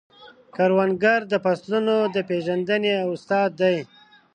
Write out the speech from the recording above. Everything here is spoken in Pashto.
کروندګر د فصلونو د پیژندنې استاد دی